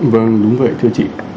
vâng đúng vậy thưa chị